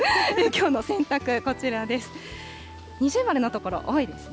きょうの洗濯、こちらです。